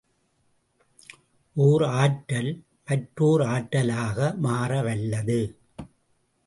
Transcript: ஒர் ஆற்றல் மற்றோர்ஆற்றலாக மாறவல்லது.